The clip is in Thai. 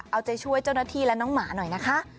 เอาใจช่วยเจ้าหน้าที่และน้องหมาหน่อยนะคะ